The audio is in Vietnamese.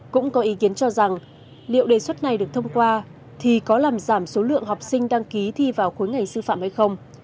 cũng có ý kiến cho rằng liệu đề xuất này được thông qua thì có làm giảm số lượng học sinh đăng ký thi vào khối ngành sư phạm hay không